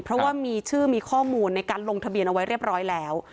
เพราะว่ามีชื่อมีข้อมูลในการลงทะเบียนเอาไว้เรียบร้อยแล้ว